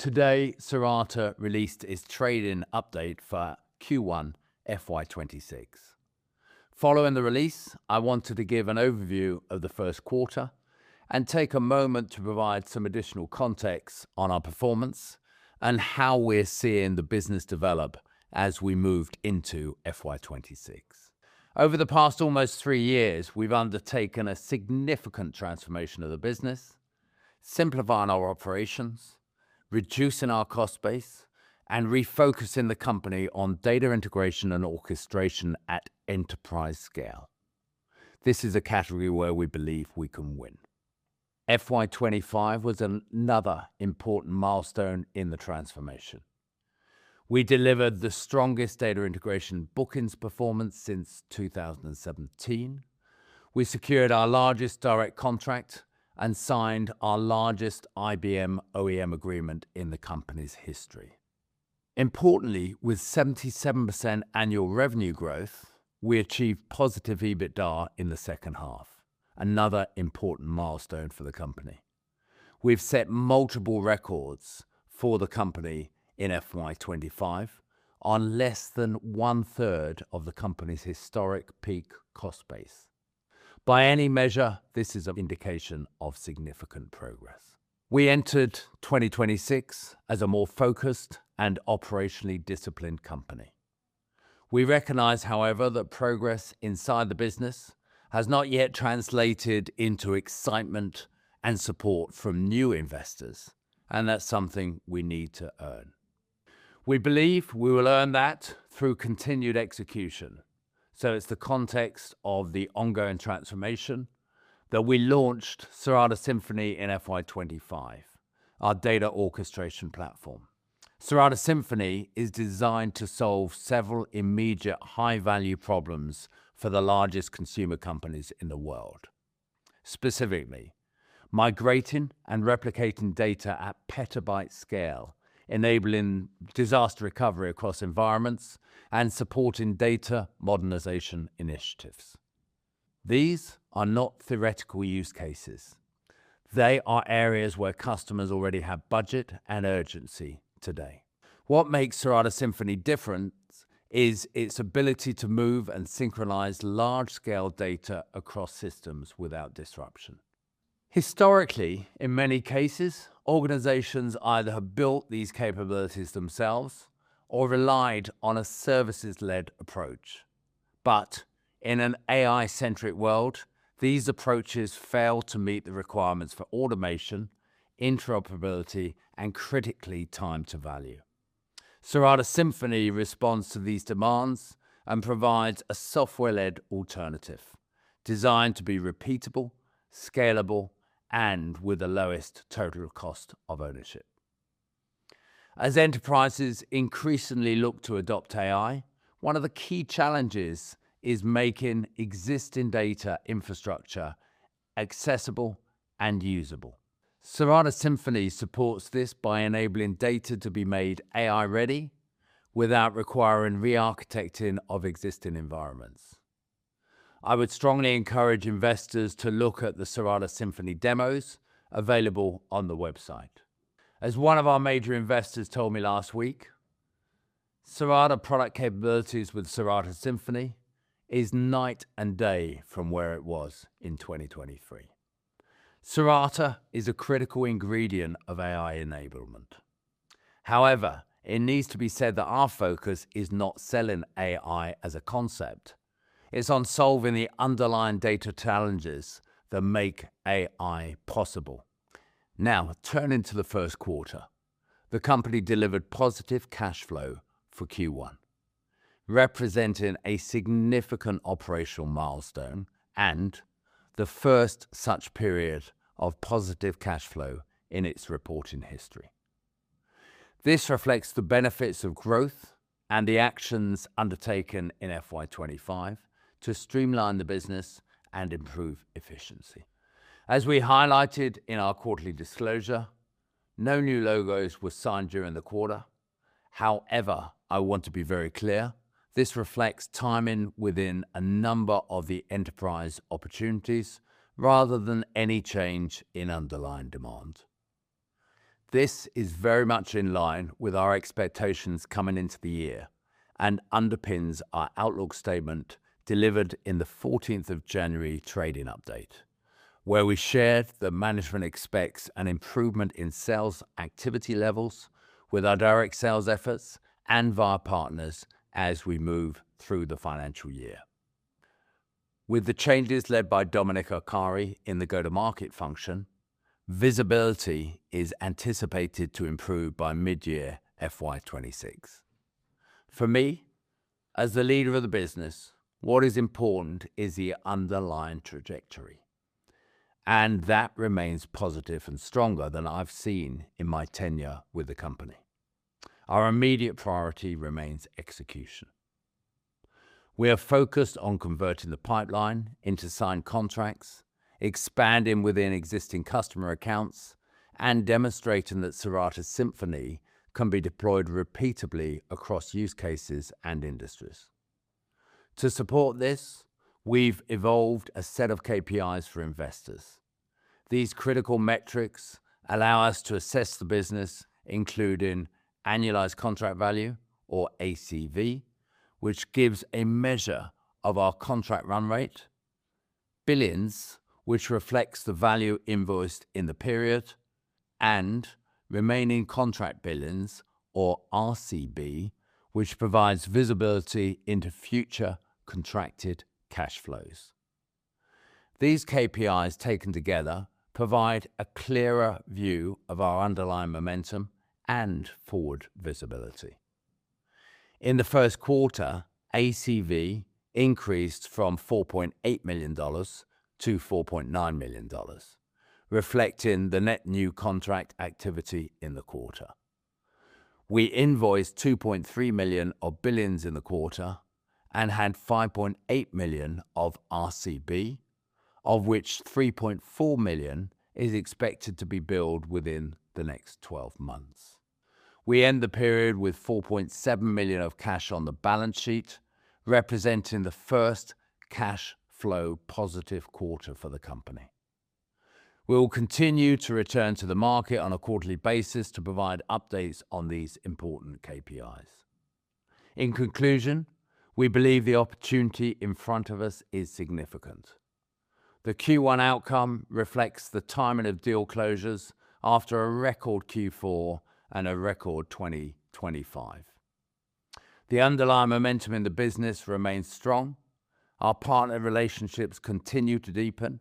Today, Cirata released its trading update for Q1 FY 2026. Following the release, I wanted to give an overview of the first quarter and take a moment to provide some additional context on our performance and how we're seeing the business develop as we moved into FY 2026. Over the past almost three years, we've undertaken a significant transformation of the business, simplifying our operations, reducing our cost base, and refocusing the company on data integration and orchestration at enterprise scale. This is a category where we believe we can win. FY 2025 was another important milestone in the transformation. We delivered the strongest data integration bookings performance since 2017. We secured our largest direct contract and signed our largest IBM OEM agreement in the company's history. Importantly, with 77% annual revenue growth, we achieved positive EBITDA in the second half, another important milestone for the company. We've set multiple records for the company in FY 2025 on less than 1/3 of the company's historic peak cost base. By any measure, this is an indication of significant progress. We entered 2026 as a more focused and operationally disciplined company. We recognize, however, that progress inside the business has not yet translated into excitement and support from new investors, and that's something we need to earn. We believe we will earn that through continued execution. It's the context of the ongoing transformation that we launched Cirata Symphony in FY 2025, our data orchestration platform. Cirata Symphony is designed to solve several immediate high-value problems for the largest consumer companies in the world, specifically, migrating and replicating data at petabyte scale, enabling disaster recovery across environments, and supporting data modernization initiatives. These are not theoretical use cases. They are areas where customers already have budget and urgency today. What makes Cirata Symphony different is its ability to move and synchronize large-scale data across systems without disruption. Historically, in many cases, organizations either have built these capabilities themselves or relied on a services-led approach. In an AI-centric world, these approaches fail to meet the requirements for automation, interoperability, and critically, time to value. Cirata Symphony responds to these demands and provides a software-led alternative designed to be repeatable, scalable, and with the lowest total cost of ownership. As enterprises increasingly look to adopt AI, one of the key challenges is making existing data infrastructure accessible and usable. Cirata Symphony supports this by enabling data to be made AI-ready without requiring re-architecting of existing environments. I would strongly encourage investors to look at the Cirata Symphony demos available on the website. As one of our major investors told me last week, Cirata product capabilities with Cirata Symphony is night and day from where it was in 2023. Cirata is a critical ingredient of AI enablement. However, it needs to be said that our focus is not selling AI as a concept. It's on solving the underlying data challenges that make AI possible. Now, turning to the first quarter, the company delivered positive cash flow for Q1, representing a significant operational milestone and the first such period of positive cash flow in its reporting history. This reflects the benefits of growth and the actions undertaken in FY 2025 to streamline the business and improve efficiency. As we highlighted in our quarterly disclosure, no new logos were signed during the quarter. However, I want to be very clear, this reflects timing within a number of the enterprise opportunities rather than any change in underlying demand. This is very much in line with our expectations coming into the year and underpins our outlook statement delivered in the January 14 Trading Update, where we shared that management expects an improvement in sales activity levels with our direct sales efforts and via partners as we move through the financial year. With the changes led by Dominic Arcari in the go-to-market function, visibility is anticipated to improve by mid-year FY 2026. For me, as the Leader of the business, what is important is the underlying trajectory, and that remains positive and stronger than I've seen in my tenure with the company. Our immediate priority remains execution. We are focused on converting the pipeline into signed contracts, expanding within existing customer accounts, and demonstrating that Cirata Symphony can be deployed repeatably across use cases and industries. To support this, we've evolved a set of KPIs for investors. These critical metrics allow us to assess the business, including Annualized Contract Value, or ACV, which gives a measure of our contract run rate, Billings, which reflects the value invoiced in the period, and Remaining Contract Billings, or RCB, which provides visibility into future contracted cash flows. These KPIs taken together provide a clearer view of our underlying momentum and forward visibility. In the first quarter, ACV increased from $4.8 million-$4.9 million, reflecting the net new contract activity in the quarter. We invoiced $2.3 million of billings in the quarter and had $5.8 million of RCB, of which $3.4 million is expected to be billed within the next 12 months. We end the period with $4.7 million of cash on the balance sheet, representing the first cash flow positive quarter for the company. We'll continue to return to the market on a quarterly basis to provide updates on these important KPIs. In conclusion, we believe the opportunity in front of us is significant. The Q1 outcome reflects the timing of deal closures after a record Q4 and a record 2025. The underlying momentum in the business remains strong. Our partner relationships continue to deepen,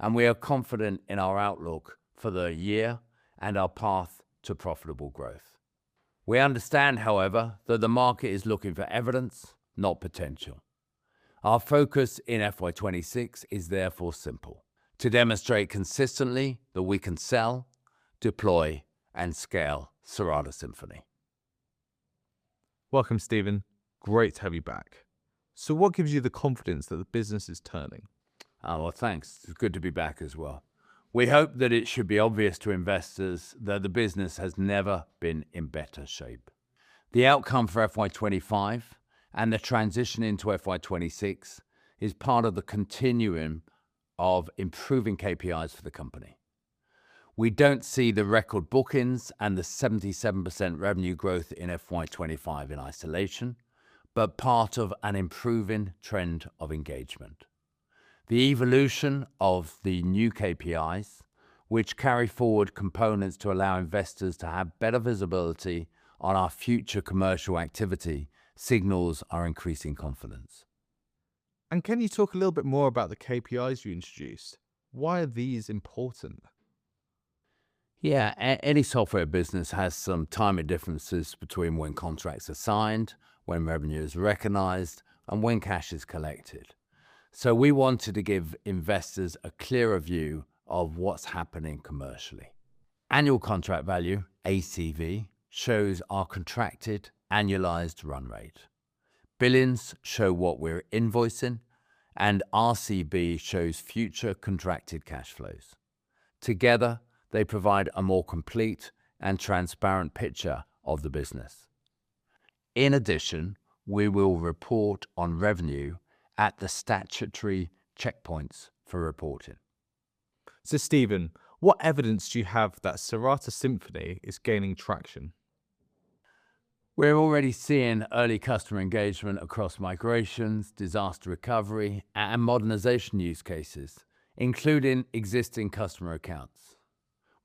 and we are confident in our outlook for the year and our path to profitable growth. We understand, however, that the market is looking for evidence, not potential. Our focus in FY 2026 is therefore simple, to demonstrate consistently that we can sell, deploy, and scale Cirata Symphony. Welcome, Stephen. Great to have you back. What gives you the confidence that the business is turning? Well, thanks. It's good to be back as well. We hope that it should be obvious to investors that the business has never been in better shape. The outcome for FY 2025 and the transition into FY 2026 is part of the continuum of improving KPIs for the company. We don't see the record bookings and the 77% revenue growth in FY 2025 in isolation, but part of an improving trend of engagement. The evolution of the new KPIs, which carry forward components to allow investors to have better visibility on our future commercial activity, signals our increasing confidence. Can you talk a little bit more about the KPIs you introduced? Why are these important? Yeah. Any software business has some timing differences between when contracts are signed, when revenue is recognized, and when cash is collected. We wanted to give investors a clearer view of what's happening commercially. Annual Contract Value, ACV, shows our contracted annualized run rate. Billings show what we're invoicing, and RCB shows future contracted cash flows. Together, they provide a more complete and transparent picture of the business. In addition, we will report on revenue at the statutory checkpoints for reporting. Stephen, what evidence do you have that Cirata Symphony is gaining traction? We're already seeing early customer engagement across migrations, disaster recovery, and modernization use cases, including existing customer accounts.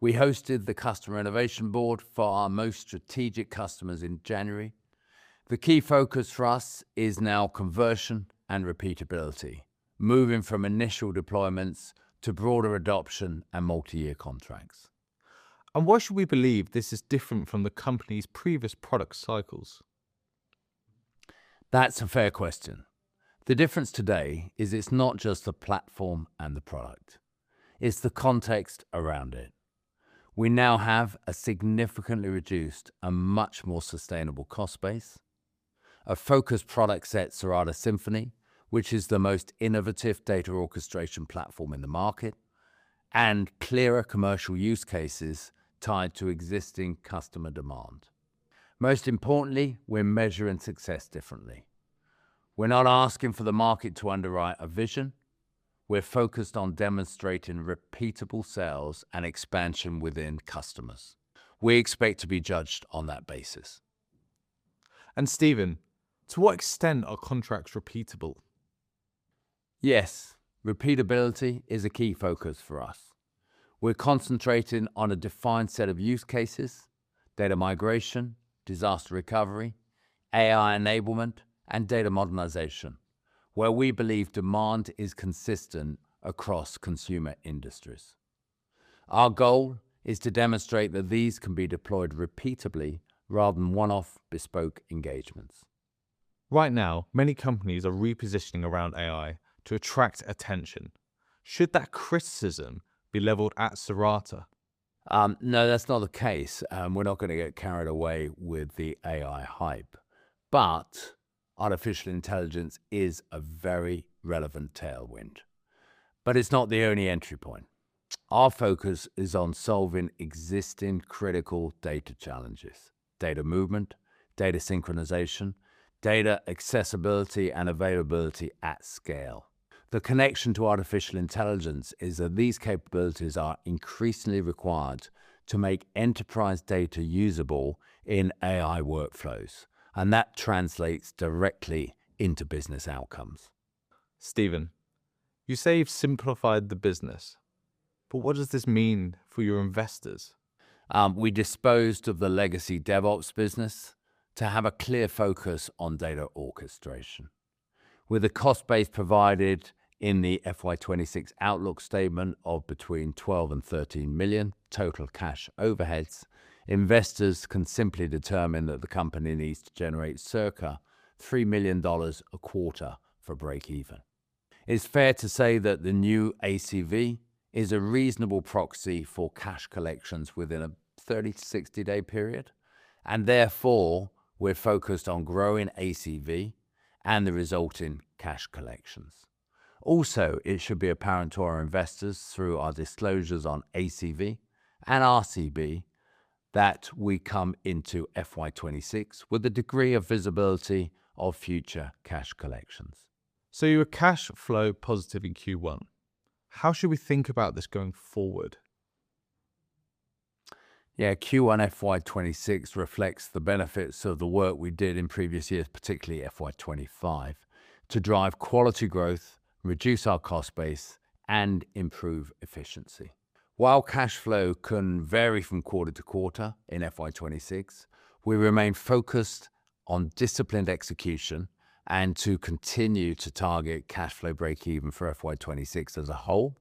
We hosted the customer innovation board for our most strategic customers in January. The key focus for us is now conversion and repeatability, moving from initial deployments to broader adoption and multi-year contracts. Why should we believe this is different from the company's previous product cycles? That's a fair question. The difference today is it's not just the platform and the product, it's the context around it. We now have a significantly reduced and much more sustainable cost base, a focused product set, Cirata Symphony, which is the most innovative data orchestration platform in the market, and clearer commercial use cases tied to existing customer demand. Most importantly, we're measuring success differently. We're not asking for the market to underwrite a vision. We're focused on demonstrating repeatable sales and expansion within customers. We expect to be judged on that basis. Stephen, to what extent are contracts repeatable? Yes, repeatability is a key focus for us. We're concentrating on a defined set of use cases, data migration, disaster recovery, AI enablement, and data modernization, where we believe demand is consistent across consumer industries. Our goal is to demonstrate that these can be deployed repeatably rather than one-off bespoke engagements. Right now, many companies are repositioning around AI to attract attention. Should that criticism be leveled at Cirata? No, that's not the case. We're not going to get carried away with the AI hype, but artificial intelligence is a very relevant tailwind. It's not the only entry point. Our focus is on solving existing critical data challenges, data movement, data synchronization, data accessibility, and availability at scale. The connection to artificial intelligence is that these capabilities are increasingly required to make enterprise data usable in AI workflows, and that translates directly into business outcomes. Stephen, you say you've simplified the business, but what does this mean for your investors? We disposed of the legacy DevOps business to have a clear focus on data orchestration. With a cost base provided in the FY 2026 outlook statement of between $12 million and $13 million total cash overheads, investors can simply determine that the company needs to generate circa $3 million a quarter for breakeven. It's fair to say that the new ACV is a reasonable proxy for cash collections within a 30-60 day period, and therefore, we're focused on growing ACV and the resulting cash collections. Also, it should be apparent to our investors, through our disclosures on ACV and RCB, that we come into FY 2026 with a degree of visibility of future cash collections. You were cash flow positive in Q1. How should we think about this going forward? Q1 FY 2026 reflects the benefits of the work we did in previous years, particularly FY 2025, to drive quality growth, reduce our cost base, and improve efficiency. While cash flow can vary from quarter-to-quarter in FY 2026, we remain focused on disciplined execution and to continue to target cash flow breakeven for FY 2026 as a whole,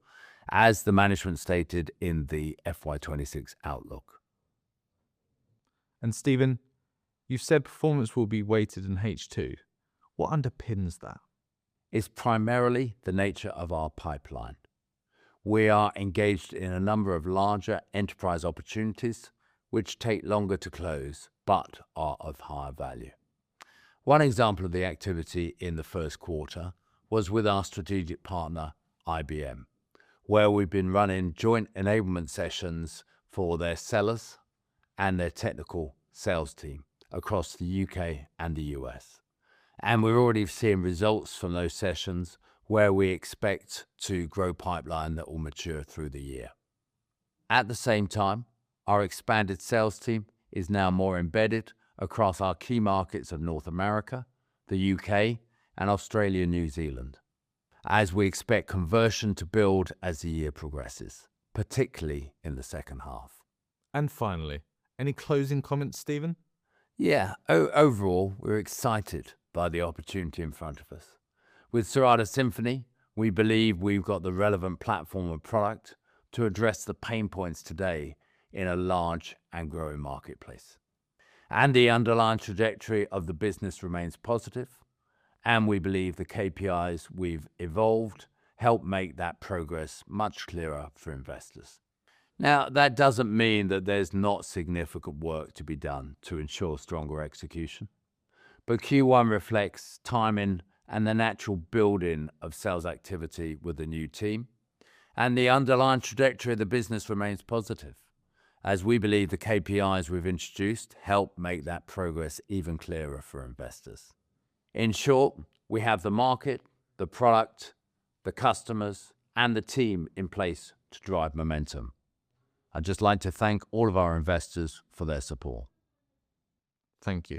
as the Management stated in the FY 2026 outlook. Stephen, you've said performance will be weighted in H2. What underpins that? It's primarily the nature of our pipeline. We are engaged in a number of larger enterprise opportunities, which take longer to close but are of higher value. One example of the activity in the first quarter was with our strategic partner, IBM, where we've been running joint enablement sessions for their sellers and their technical sales team across the U.K. and the U.S. We're already seeing results from those sessions where we expect to grow pipeline that will mature through the year. At the same time, our expanded sales team is now more embedded across our key markets of North America, the U.K., and Australia and New Zealand, as we expect conversion to build as the year progresses, particularly in the second half. Finally, any closing comments, Stephen? Yeah, all overall were are excited by the opportunity in front of us. We Cirata Symphony, we believe we got the relevant platform of product to address the pain points today in a large and growing market place, and the underlying trajectory of the business remains positive, and we believe the KPIs we've evolved, help make that progress much clearer for investors, now that doesn't mean that there is no significant work to be done to ensure stronger execution. But Q1 reflects timing and natural building of sales activity with the new team. In short we have market, the products, the customers and the team in place to drive momentum. I just want to thank all of our investors for their support. Thank you.